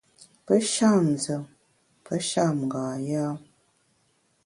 Pe sham nzùm, pe sham nga yâ.